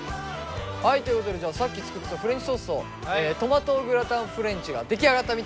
はいということでさっき作ってたフレンチトーストトマトグラタンフレンチが出来上がったみたいです完成が。